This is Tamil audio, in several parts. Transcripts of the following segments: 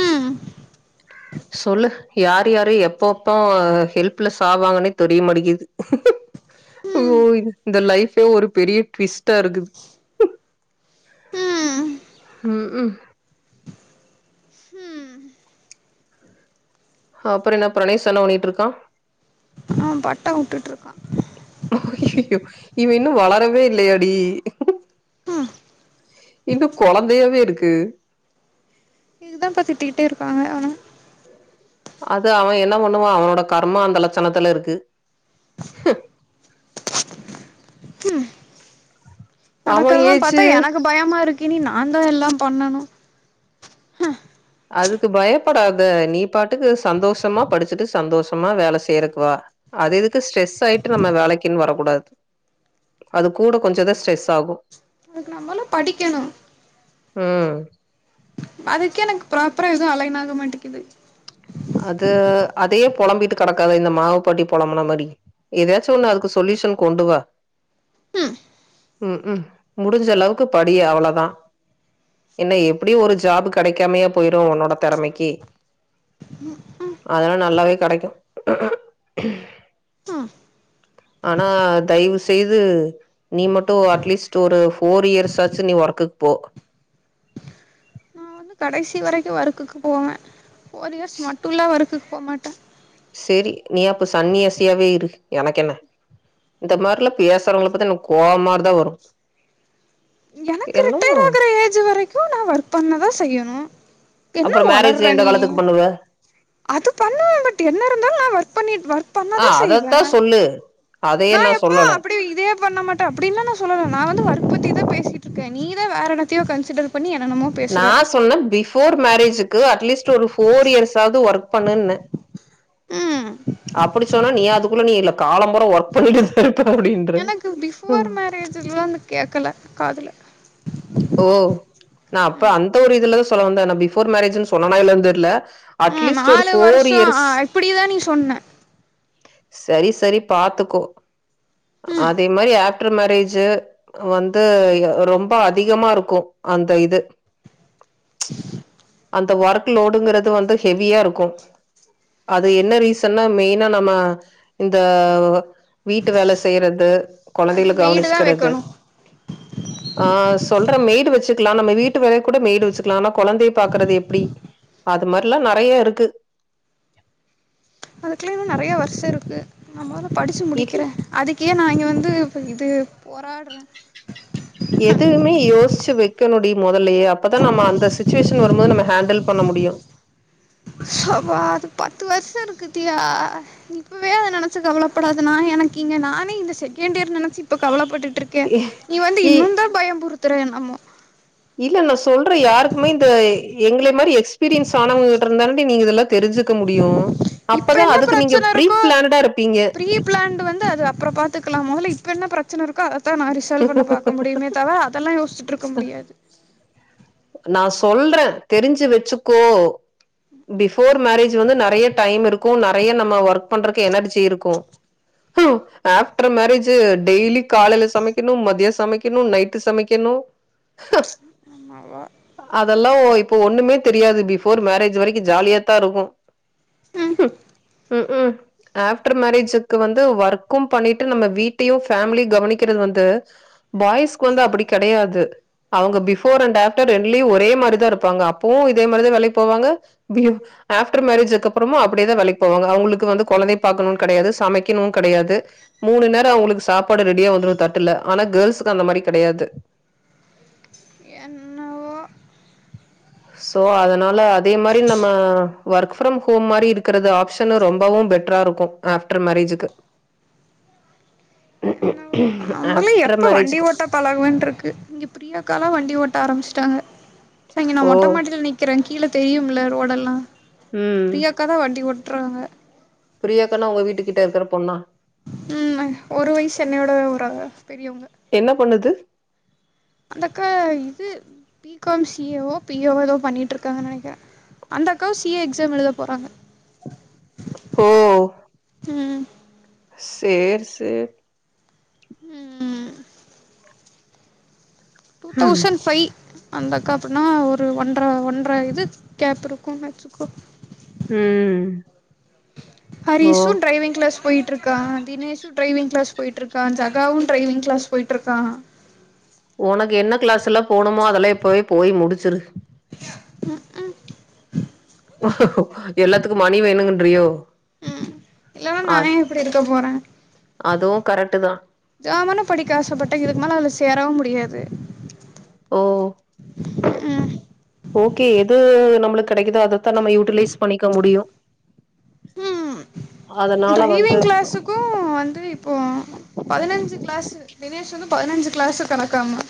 ம் சொல்லு யார் யாரு எப்போப்போ ஹெல்ப்ல சாவாங்கன்னே தெரிய மாட்டேங்குது ம் இந்த லைஃபே ஒரு பெரிய டிவிஸ்டா இருக்குது ம் ம் ம் ம் அ அப்புறோ என்ன பிரணேஷ் என்ன பண்ணிட்ருக்கா ஆ பட்டோ வுட்டுட் இருக்கா எப் இவ இன்னு வளரவே இல்லையாடி ம் இன்னு கொழந்தையாவே இருக்கு ப்பா திட்டிக்கிட்டே இருக்காங்க அவ அது அவ என்ன பண்ணுவா அவனோட கர்மா அந்த லட்சணத்துல இருக்கு ம் ஆமா நடக்கறதெல்லா ஏஜு பாத்தா எனக்கு பயமா இருக்கு இனி நாந்தா எல்லாம் பண்ணனு அதுக்கு பயப்படாத நீ பாட்டுக்கு சந்தோஷமா படுச்சுட்டு சந்தோஷமா வேல செய்யறக்கு வா அது இதுக்கு ஸ்ட்ரெஸ் ஆயிட்டு நம்ம வேலைக்குன் வரக்கூடாது அது கூட கொஞ்சதா ஸ்ட்ரெஸ் ஆகு மொதல படிக்கணு ம் அதுக்கே எனக்கு பிராப்புரா எது அலைன் ஆக மாட்டிக்குது அது அதையே பொழம்பிட்டு கெடக்காத இந்த மாவுபட்டி பொழம்புன மாரி எதயாச்சு ஒண்ணு அதுக்கு சொல்யூஷன் கொண்டு வா ம் ம் ம் முடுஞ்ச அளவுக்கு படி அவ்ளோதா என்ன எப்டி ஒரு ஜாப்பு கெடைக்காமையா போயிரு உன்னோட தெறமைக்கு அதெல்லா நல்லாவே கெடைக்கு ம் ஆனா தயவுசெய்து நீ மட்டு அட்லீஸ்ட் ஒரு ஃபோர் இயர்ஸ்சாச்சு நீ ஒர்க்குக் போ நா வந்து கடைசி வரைக்கு வொறுக்குக்கு போவ ஃபோர் இயர்ஸ் மட்டுல்லா வொறுக்கு போமாட்ட சேரி நீ அப்ப சன்னியாசியாவே இரு எனக்கு என்ன இந்த மாரிலா பேசுறவங்கள பாத்த எனக்கு கோவமாதா வரு எனக்கு என்னு ரிட்டையர் ஆகுற ஏஜ் வரைக்கு நா ஒர்க் பண்ணதா செய்யணு என்ன அப்றோ மேரேஜ் ஒளர்ற எந்த நீ காலத்துக்கு பண்ணுவ அது பண்ணுவ பட் என்ன இருந்தாலு நா ஒர்க் பண்ணிட் ஒர்க் ஆ பண்ணாத செய்வ அதத்தா சொல்லு அதையே நா எப்ப சொல்லல அப்டி இதே பண்ண மாட்டே அப்டின்ன நா சொல்லல நா வந்து வற்புத்திதா பேசே இருக்க நீதா வோரென்னத்தயோ கன்சிடர் பண்ணி என்னென்னமோ பேசுற நா சொன்னே பிஃபோர் மேரேஜ்க்கு அட்லீஸ்ட் ஒரு ஃபோர் இயர்ஸ் ஆது ஒர்க் பண்ணு ம் அப்டி சொன்னா நீ அதுக்குள்ள நீ இ காலம்புரா ஒர்க் பண்ணிட்டே சார் எனக்கு பிஃபோர் மேரேஜ்ல்லாந்து கேக்கல காதுல ஓ நா அப்ப ம் அந்த ஒரு இதுலதா சொல்ல வந்த பிஃபோர் மேரேஜ்ன்னு சொன்னனா இல்லயான் தெரில ம் நாலு வருஷ இப்டிதா நீ சொன்ன சரி சரி பாத்துக்கோ ம் அதே மாதிரி ஆக் ட்ரு மேரேஜ்ஜூ வந்து ரொம்ப அ அதிகமா இருக்கு அந்த இது [inaudible] அந்த ஒர்க் லோடுங்கிறது வந்து ஹெவியா இருக்கு அது என்ன ரீசன்னா மெயினா நம்ம இந்த வீட்டு வேலை செய்றது கொழந்தைகல அதுக்கு மெய்டு தா கவனிச்சுக்கிறது வெக்கணு ஆ சொ அப்பறம் மெய்டு வச்சுக்கலா நம்ம வீட்டு வேலைக்கு கூட மெய்டு வச்சுக்கலா ஆனா கொழந்தைய பாக்குறது எப்டி அது மாரில்லா நெறைய இருக்கு அதுக்குல இன்னு நெறைய வருஷ இருக்கு நம்ம தா படிச்சு இல் முடிக்கிறே அதுக் இதுக்கே நா இங்க வந்து இப்ப இது போராடுறே எதுமே யோசிச்சு வக்கணு டி முதல்லயே அப் அப்பதா நம்ம அந்த சிச்சுவேஷன் வரும்போது நம்ம ஹேண்டில் பண்ண முடியும் சப்பா அது பத்து வருஷ இருக்குத்தியா இப்பவே அது நெனைச்சு கவலைப்படாதுனா எனக்கு இங்க நானே இந்த செகண்ட் இயர் நெனைச்சு இப்ப கவலைப்பட்டுட் ட்ருக்கே நீ வந்து இ இன்னும் தா பயம் புறுத் [unintelligible] இல்ல நா சொல்றே யாருக்குமே இந்த எங்களை மாரி எக்ஸ்பீரியன்ஸ் ஆனவங்க கிட்ட இருந்தானே நீங்க இதெல்லா தெரிஞ்சுக்க முடியும் இப்ப என்ன பிரச்சன இருக்கு இருப்பீங்க பிரீபிளான்ட் வந்து அது அப்பறம் பாத்துக்கலா மொதல்ல இப்ப என்ன பிரச் சின்ன இருக் அதா நா ரிசால்வ் பண்ண பாக்க முடியுமே தவிர அதெல்லா யோசிச்சிட்டு இருக்க முடியாது நா சொல்றே தெரிஞ்சு வச்சுக்கோ பிஃபோர் மேரேஜ் வந்து நெறய டைம் இருக்கு நெறைய நம்ம ஒர்க் பண்றக்கு எனர்ஜி இருக்கு ஆப்டர் மேரஜ்ஜூ டெய்லி காலைல சமைக்கணு மதிய சமைக்கணு நைட்டு சமைக்கணு அ என்னவோ அதெல்லா ஒப் இப்போ ஒண்ணுமே தெரியாது பிவோர் மேரேஜ் வரைக்கு ஜாலியாத்தா இருக்கு ம் உம் ம் ஆப்டர் மேரேஜக்கு வந்து ஒர்க்கும் பண்ணிட்டு நம்ம வீட்டையும் ஃபேமிலிய கவனிக்க சமைகிறது வந்து பாய்ஸ்க்கு வந்து அப்டி கெடயாது அவுங்க பிஃபோர் அண்ட் ஆப்டர் ரெண்டுலயு ஒரே மாரி தா இருப்பாங்க அப்பவு இதே மாரி தா வேலைக்கு போவாங்க ஆப்டர் மேரேஜூ அதுக்கப்பறமு அப்டியே தா வேலைக்கு போவாங்க வந்து கொழந்தைய பாக்கணு கெடயாது சமைக்கணு கெடயாது மூனு நேரோ அவுங்களுக்கு சாப்பாடு ரெடியா வந்து தட்டுல ஆனா கேர்ள்ஸுக்கு அந்த மாரி கெடயாது என்னவோ சோ அதனால அதே மாரி நம்ம ஒர்க் ஃப்ரம் ஹோம் மாரி இருக்குறது ஆப்ஷன் ரொம்பவு பெட்டரா இருக்கு ஆப்டர் மேரேஜுக்கு நம்மள ஆஃப்டர் எப்ப வண்டி மேரேஜ்க்கு ஓட்டா பழகவேன்ற இருக்கு இங்க பிரியாக்கலா வண்டி ஓட்ட ஆரம்பிச்சு டாங்க நா இங்க ஓ மொட்ட மாடில நிக்குறே கீழ தெரியும்ல ரோடெல்லா ம் பிரியாக்காதா வண்டி ஓட்டு ட்ராங்க பிரியாக்கானா ஒங்க வீட்டுக்கிட்ட இருக்க பொண்ணா உம் ஒரு வயசு என்னையோட ஒரு என்ன பண்ணுது அந்த அக்கா இது பி கம் சி ஏ ஓ பி ஏ ஓ ஏதோ பண்ணிட்டு இருக்காங்கன்னு நெனக்குறே அந்த அக்காவ சிஏ எக்ஸாம் எழுத போறாங்க ஓ ம் சேரி சேரி ம் டூ ம் தௌசண்ட் ஃபைவ் அந்தக்கா எப்டினா ஒரு ஒன்ற ஒன்றை இது கேப் இருக்குனு வெச்சுக்கோ ம் ஹரிசு ஓகே டிரைவிங் கிளாஸ் போயிட்டு இருக்கா தினேசு டிரைவிங் கிளாஸ் போயிட்டு இருக்கா ஜகாவு டிரைவிங் கிளாஸ் போயிட்டு இருக்கா ஒனக்கு என்ன கிளாஸ்ல்லா போனுமோ அதெல்லா இப்பவே போய் முடிச்சிரு உ உ எல்லாத்துக்கு மணி வேணுங்றியோ உம் இல்லனா நா இப்டி இருக்க போறே அதுவு கரெக்ட்டு தா ஜாமனு படிக்க ஆசப்பட்டே இதுக்கு மேல சேரவு முடியாது ஓ-ஓகே எது நம்மளுக்கு கெடைக்குதோ அததா நம்ம யூட்டிலைஸ் பண்ணிக்க முடியு உம் அதனால வந்து டிரைவிங் கிளாஸுக்கு வந்து இப்போ பதினஞ்சி கிளாஸு தினேஷ் வந்து பதனஞ்சி கிளாஸு கணக்காமா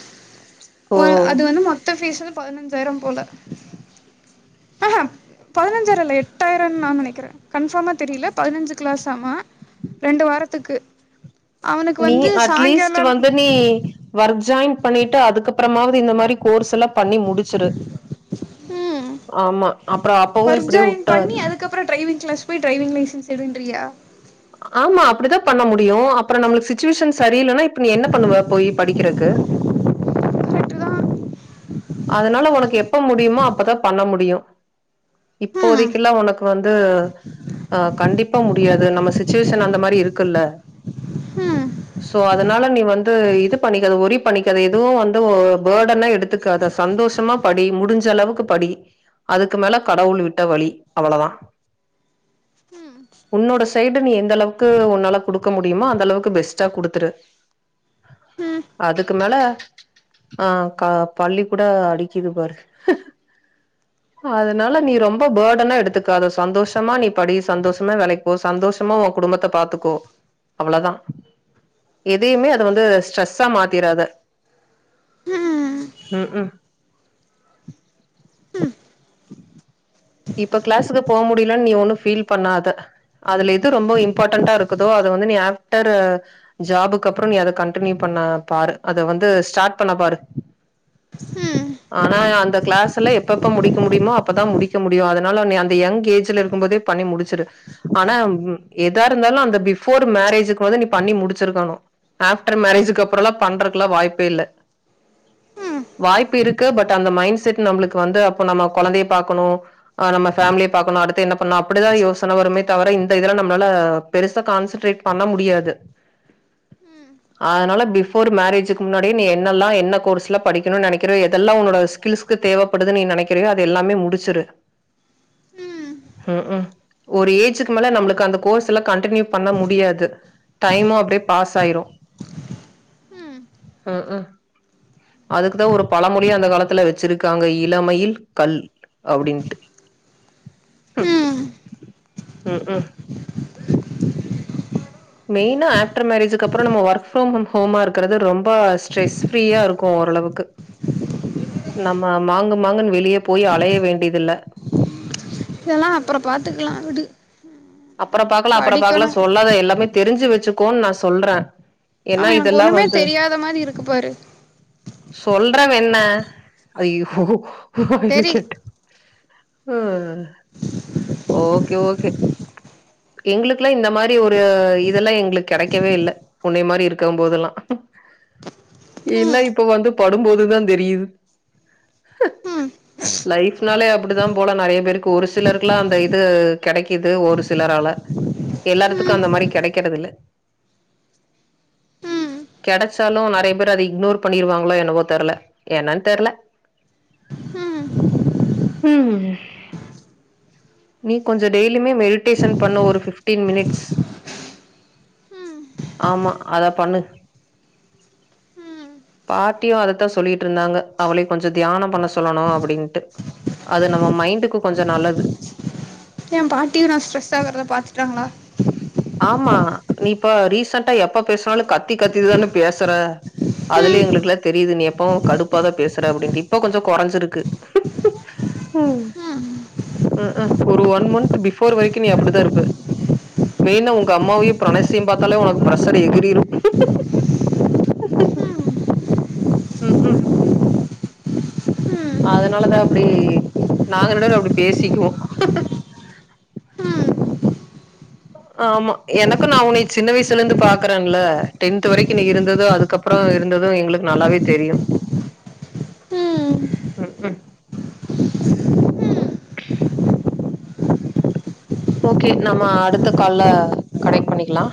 உள் அது ஓ வந்து மொத்த பீஸு பதினஞ்சாயிர போல ஹ ஹ பதினஞ்சாயிர இல்ல எட்டாயிரோ நாங்களே- க்கிறே கன்ஃபாமா தெரியல பதினஞ்சு கிளாஸாமா ரெண்டு வாரத்துக்கு அவனுக்கு நீயி வந்து அட்லீஸ்ட் சாயங்காலம் வந்து நீ ஒர்க் ஜாயின் பண்ணிட்டு அதுக்கப்புறமாவது இந்த மாரி கோர்ஸ் எல்லா பண்ணி முடிச்சிரு ம் ஆமா அப்புறோ அப்பவு ஒர்க் இப்டியே ஜாயின் உட்றாத பண்ணி அதுக்கப்புறோ டிரைவிங் கிளாஸ் போய் டிரைவிங் லைசன்ஸ் எடுன் றியா ஆமா அப்பிடிதா பண்ண முடியு அப்புற நம்மளுக்கு சிச்சுவேஷன் ச ரியில்லனா இப்ப நீ என்ன பண்ணுவ போய் படிக்கறக்கு கரெக்ட்டு தான் அதனால உனக்கு எப்ப முடியுமோ அப்பதா பண்ண முடியு ம் இப்போதைக்கெல்லா உனக்கு இப்ப வந்து ஆ கண்டிப்பா முடியாது நம்ம சுச்சுவேஷன் அந்த மாரி இருக்குல்ல ம் சோ அதனால நீ வந்து இது பண்ணிக்காத ஒரி பண்ணிக்காத இதுவு வந்து ஆ பர்டனா எடுத்துக்காத சந்தோஷமா படி முடிஞ்ச அளவுக்கு படி அதுக்கு மேல கடவுள் விட்ட வழி அவ்ளதா. ம் உன்னோட சைடு நீ எந்த அளவுக்கு உன்னால குடுக்க முடியுமோ அந்த அளவுக்கு பெஸ்ட்டா குடுத்துரு. ம் அதுக்கு மேல ஆ கா பல்லி கூட அடிக்கிது பாரு. அதனால நீ ரொம்ப பர்டனா எடுத்துக்காத சந்தோஷமா நீ படி சந்தோஷமா வேலைக்கி போ சந்தோஷமா உன் குடும்பத்த பாத்துக்கோ அவ்ளதா எதையுமே அத வந்து ஸ்ட்ரெஸ்ஸா மாத்திராத ம் ம் ம் ம் ம் இப்ப கிளாஸுக்கு போக முடியலன்னு நீ ஒண்ணு ஃபீல் பண்ணாத. அதுல எது ரொம்ப இம்பார்ட்டன்டா இருக்குதோ அத வந்து நீ ஆஃப்டரு ஜாபுக்கு அப்புறோ நீ அத கண்டினியூ பண்ண பாரு. அத வந்து ஸ்டார்ட் பண்ண பாரு. ஆனா அந்த கிளாஸல்ல எப்ப எப்ப முடிக்க முடியுமோ அப்பதா முடி க்க முடியு அதனால நீ அந்த யங் ஏஜுல இருக்கும்போதே பண்ணி முடிச்சிரு. ஆனா ம் ஏதா இருந்தாலு அந்த பிஃபோர் மேரேஜுக்கு வந்து நீ பண்ணி முடிச்சி இருக்கணு ஆஃப்டர் மேரேஜுக்கு அப்புறல்லா பண்றக்கல்லா வாய்ப்பே இல்ல. வாய்ப்பு இருக்கு பட் அந்த மைண்ட் செட் நம்பளுக்கு வந்து அப்ப நம்ம கொழந்தைய பாக்கணு ஆ நம்ம ஃபேமிலிய பாக்கணு அடுத்து என்ன பண்லா அப்பிடிதா யோசன வருமே தவிர இந்த இதுல நம்மளால பெருசா கான்சன்ட்ரேட் பண்ண முடியாது. அதனால பிஃபோர் மேரேஜுக்கு முன்னாடியே நீ என்னல்லா என்ன கோர்ஸ்லா படிக்கணு நெனைக்கிற எதெல்லா உன்னோட ஸ்கில்ஸ்க்கு தேவைப்படுது நீ நெனைக்கிறியோ அது எல்லாமே முடிச்சிரு ம் ம் ம் ம் ஒரு ஏஜுக்கு மேல நம்மளுக்கு அந்த கோர்ஸ் எல்லா கண்டினியூ பண்ண முடியாது. டைமு அப்டியே பாஸ் ஆயிரு ம் ம் ம் அதுக்குதா ஒரு பழமொழியே அந்த காலத்துல வச்சிருக்காங்க இளமையில் கல் அப்டின்ட்டு. ம் ம் ம் மெயினா ஆஃப்டர் மேரேஜுக்கு அப்புறோ நம்ம ஒர்க் ஃப்ரம் ஹோமா இருக்கறது ரொம்ப ஸ்ட்ரெஸ் ஃப்ரீயா இருக்கு ஓரளவுக்கு. நம்ம மாங்கு மாங்குன்னு வெளிய போய் அலைய வேண்டியதில்ல. இதெல்லா அப்புறோ பாத்துக்கலா விடு அப்பற பாக்கலா அப்பற பாக்கலா படிக்கணும் சொல்லாத எல்லாமே தெரிஞ்சு வச்சு க்கோன்னு நா சொல்றே ஏன்னா ஆமா எனக்கு இதெல்லா ஒண்ணுமே வந்து தெரியாத மாரி இருக்கு பாரு ப்ப என்ன ஐயோ இல்ல சரி கேட்டே ஆ ஓகே ஓகே எங்களுக் இல்ல இந்த மாரி ஒரு இதெல்லா எங் ளுக்கு கெடைக்கவே இல்ல உன்னை மாரி இருக்கு போதெல்லா இல்ல ம் இப்ப வந்து படும்போதுதா தெரியுது ஃலைப்னாலே அப்பிடித்தா போல நெறைய பேருக்கு ஒரு சிலருக்குல்லா அந்த இது கெடைக்குது து ஒரு சிலர்லா எல்லாருத்துக்கு அந்த மாரி கெடைக்கிறது இல்ல கெடச்சாலு நெறைய பேர் அத இக்னோர் பண்ணிருவாங்களோ எனவோ தெர்ல என்னான் தெர்ல ம் நீ கொஞ்சோ டெய் ல்லிமே மெடிடேஷன் பண்ணு ஒரு பிஃப்டீன் மினிட்ஸ் ஆமா அத பண்ணு பாட்டியு அதத்தா சொல்லிட்டுருந்தாங்க அவளை கொஞ்சோ தியானம் பண்ண சொல்லணு அப்பிடின்ட்டு அது நம்ம மைண்டுக்கு கொஞ்சோ நல்லது ஏ பாட்டியு நா ஸ்ட்ரெஸ் ஆகுறத பாத்துட்டாங்களா ஆமா நீ இப்ப ரீசன்டா எப்ப பேசுனாலு கத்தி கத்திதான பேசற அதுலயே ம் எங்களுக்குல்லா தெரியுது நீ எப்ப கடுப்பாதா பேசற அப்பிடின்னுட்டு இப்ப கொஞ்சோ குறைஞ்சிருக்கு ம் ஒரு ஒன் மந்த் பிஃபோர் வரிக்கு நீ அப்பிடிதா இருப்ப மெயினா உங்க அம்மாவையு பிரணேசையு பாத்தாலே உனக்கு பிரஷர் எகிரிரு ம் ம் உம் அதுனாலதா அப்பிடி நாங்க என்டாடு அப்பிடி பேசிக்குவோ ம் ஆமா எனக்கு நா உன்னை சின்ன வயசுல இந்து பாக்குறேன்ல்ல டென்த் வரைக்கு நீ இருந்தது அதுக்கப்புறோ இருந்தது எங்களுக்கு நல்லாவே தெரியு ம் ம் உம் [inaudible] ஓகே நம்ம அடுத்த கால்ல கனெக்ட் பண்ணிக்கலா